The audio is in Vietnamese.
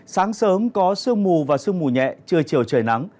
sáng sớm có sương mù và sương mù nhẹ chưa chiều trời nắng